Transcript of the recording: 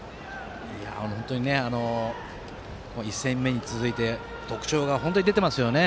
本当に１戦目に続いて特徴が本当に出ていますよね。